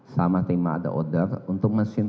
saya akan mencoba untuk mencoba